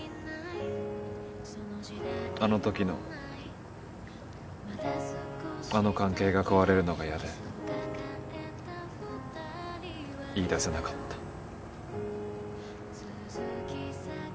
あのときのあの関係が壊れるのが嫌で言いだせなかった。